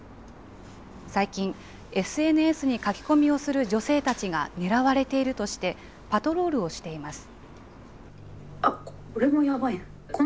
最近、ＳＮＳに書き込みをする女性たちがねらわれているとして、パトロールをしています。